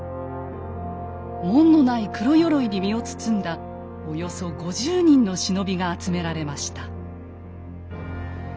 紋のない黒よろいに身を包んだおよそ５０人の忍びが集められました。